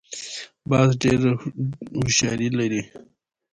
باز ډېره هوښیاري لري